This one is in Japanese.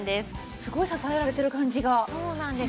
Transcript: すごい支えられてる感じがします。